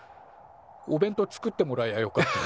お弁当作ってもらえやよかった。